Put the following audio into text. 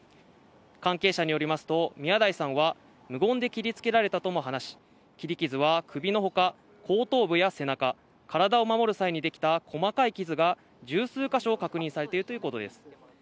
関係者によりますと宮台さんは無言で切りつけられたとも話し切り傷は首のほか後頭部や背中体を守る際にできた細かい傷が十数か所確認されているということです